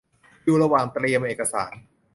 อยู่ระหว่างเตรียมเอกสาร